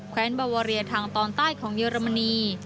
แว้นบาวาเรียทางตอนใต้ของเยอรมนี